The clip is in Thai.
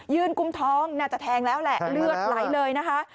กุมท้องน่าจะแทงแล้วแหละเลือดไหลเลยนะคะ